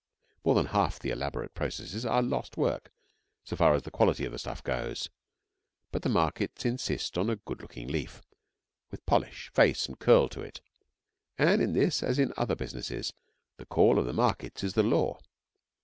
More than half the elaborate processes are 'lost work' so far as the quality of the stuff goes; but the markets insist on a good looking leaf, with polish, face and curl to it, and in this, as in other businesses, the call of the markets is the law.